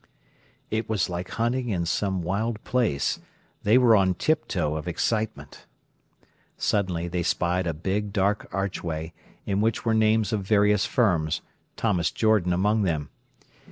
It was like hunting in some wild place. They were on tiptoe of excitement. Suddenly they spied a big, dark archway, in which were names of various firms, Thomas Jordan among them.